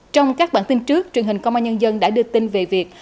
trong các bản tin trước truyền hình công an nhân dân đã đưa tin về việc